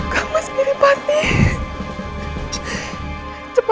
kau itu gak dil yap